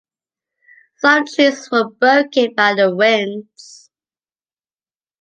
Some trees were broken by the winds.